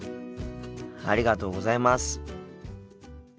ありがとうございます。